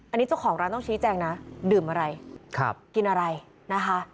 อันนี้เจ้าของร้านต้องชี้แจงนะดื่มอะไรกินอะไรนะคะ